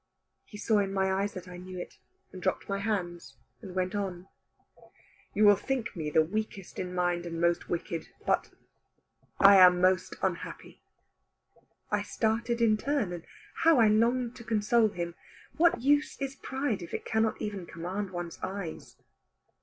He saw in my eyes that I knew it, and dropped my hands, and went on. "You will think me the weakest in mind and most wicked, but I am most unhappy." I started in turn, and how I longed to console him. What use is pride if it cannot even command one's eyes?